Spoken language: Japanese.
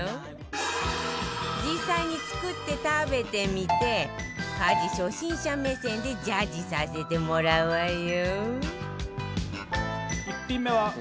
実際に作って食べてみて家事初心者目線でジャッジさせてもらうわよ